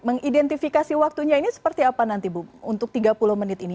mengidentifikasi waktunya ini seperti apa nanti bu untuk tiga puluh menit ini